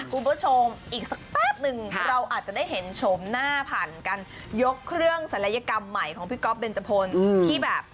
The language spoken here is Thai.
คุณผู้ชมอีกสักแป๊บนึงเราอาจจะได้เห็นโฉมหน้าผ่านการยกเครื่องศัลยกรรมใหม่ของพี่ก๊อฟเบนจพลที่แบบ